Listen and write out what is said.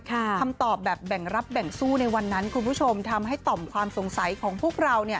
คำตอบแบบแบ่งรับแบ่งสู้ในวันนั้นคุณผู้ชมทำให้ต่อมความสงสัยของพวกเราเนี่ย